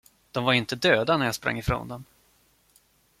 De var ju inte döda, när jag sprang ifrån dem.